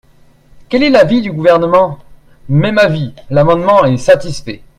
Quel est l’avis du Gouvernement ? Même avis : l’amendement est satisfait.